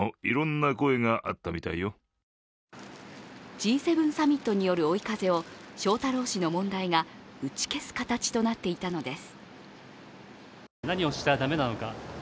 Ｇ７サミットによる追い風を翔太郎氏の問題が打ち消す形となっていたのです。